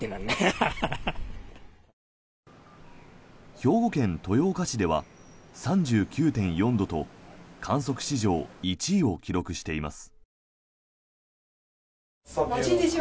兵庫県豊岡市では３９．４度と観測史上１位を記録しています。